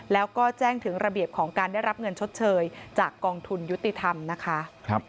แล้วก็แจ้งถึงระเบียบของการได้รับเงินชดเชยจากกองทุนยุติธรรมนะคะ